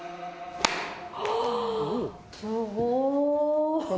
すごーい。